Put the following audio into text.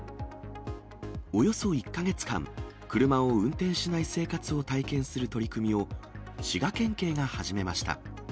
およそ１か月間、車を運転しない生活を体験する取り組みを、滋賀県警が始めました。